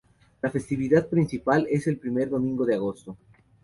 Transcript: La festividad principal es el primer domingo de agosto.